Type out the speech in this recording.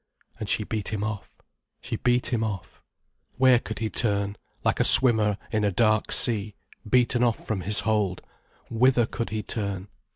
And she beat him off, she beat him off. Where could he turn, like a swimmer in a dark sea, beaten off from his hold, whither could he turn?